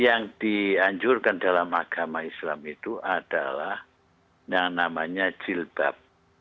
yang dianjurkan dalam agama islam itu adalah yang namanya jilbab